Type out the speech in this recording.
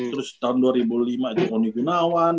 terus tahun dua ribu lima itu koni kunawan